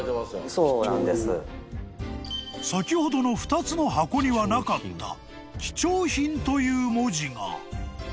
［先ほどの２つの箱にはなかった「貴重品」という文字が］